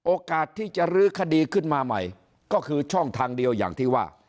โอกาสที่จะรื้อคดีขึ้นมาใหม่ก็คือช่องทางเดียวอย่างที่ว่า